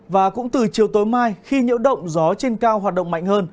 và cũng từ chiều tối mai khi nhiễu động gió trên cao hoạt động mạnh hơn